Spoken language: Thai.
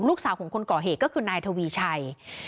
ลูกสาวของคนก่อเหตุก็คือนายทวีชัย